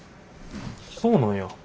そうなんや。